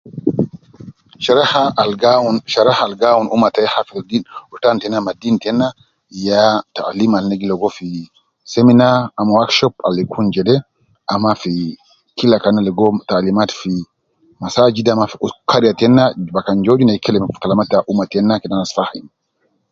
Sharaha al gaawu sharaha al gaawun ummah tai hafidh di rutan tena ma dini tena ya taalim al ina giligo fi seminar ama workshop algikun jede ama fi kila kan ina ligo taalimat fi masajid ama fi karia tena bakan joju ina gikelem fi kalama ta ummah tena kede anas fahim